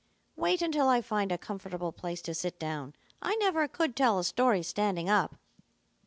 "Wait until I find a comfortable place to sit down. I never could tell a story standing up."